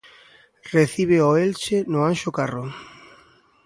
Recibe ao Elxe no Anxo Carro.